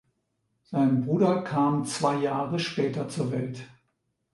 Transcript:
Sein Bruder kam zwei Jahre später zur Welt.